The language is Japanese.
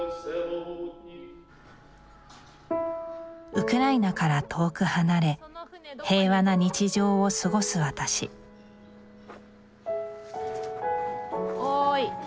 ウクライナから遠く離れ平和な日常を過ごす私おい。